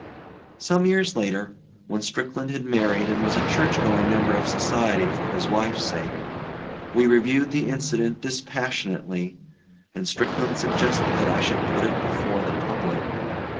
Some years later, when Strickland had married and was a church going member of society for his wife's sake, we reviewed the incident dispassionately, and Strickland suggested that I should put it before the public.